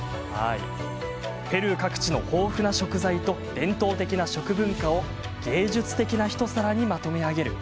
ペルー各地の豊富な食材と伝統的な食文化を芸術的な一皿にまとめ上げる